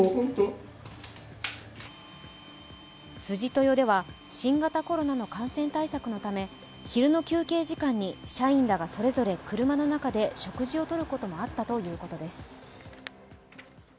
辻豊では新型コロナの感染対策のため昼の休憩時間に社員らがそれぞれ車の中で食事をとることもあったということです。